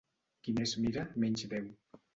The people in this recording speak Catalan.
Qui més mira, menys veu.